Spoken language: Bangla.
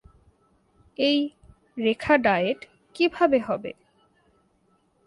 এই রেখা ডায়েট কীভাবে হবে?